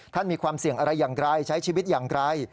มีความเสี่ยงอะไรอย่างไรใช้ชีวิตอย่างไร